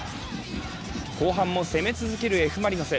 後半も攻め続けるＦ・マリノス。